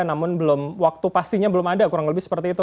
namun waktu pastinya belum ada kurang lebih seperti itu